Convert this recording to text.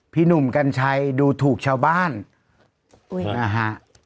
พี่หนุ่มกัญชัยดูถูกชาวบ้านนะฮะ